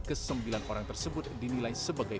kesembilan orang tersebut dinilai sebagai